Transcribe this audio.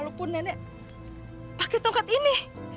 walaupun nenek pakai tongkat ini